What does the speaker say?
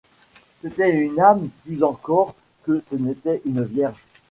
C’était une âme plus encore que ce n’était une vierge.